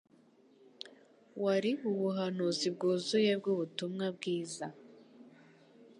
wari ubuhanuzi bwuzuye bw'ubutumwa bwiza.